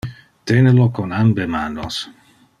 Tene lo con ambe manos.